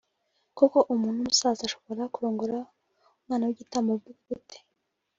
koko umuntu w’umusaza ashobora kurongora umwana w’igitambambuga gute